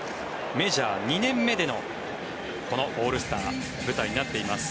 メジャー２年目でのこのオールスター舞台になっています。